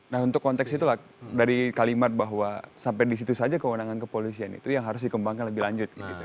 nah untuk konteks itulah dari kalimat bahwa sampai di situ saja kewenangan kepolisian itu yang harus dikembangkan lebih lanjut